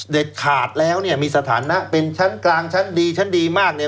ขาดแล้วเนี่ยมีสถานะเป็นชั้นกลางชั้นดีชั้นดีมากเนี่ย